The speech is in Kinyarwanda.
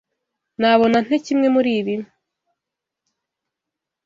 Nabona nte kimwe muri ibi?